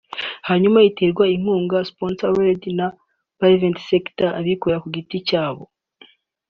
hanyuma iterwe inkunga(sponsored) na Private sector(abikorera ku giti cyabo)